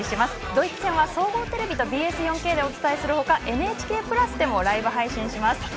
ドイツ戦は総合テレビとＢＳ４Ｋでお伝えする他「ＮＨＫプラス」でもライブ配信します。